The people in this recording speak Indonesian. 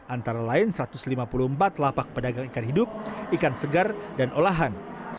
antara lain satu ratus lima puluh empat lapak pedagang ikan hidup ikan segar dan olahan